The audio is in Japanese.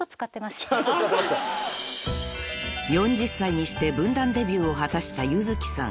［４０歳にして文壇デビューを果たした柚月さん］